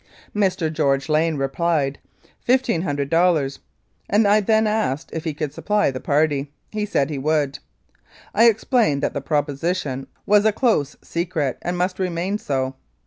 Mr. George Lane replied, "Fifteen hundred dollars," and I then asked if he could supply the party. He said he would. I explained that the proposition was a close secret and must remain so.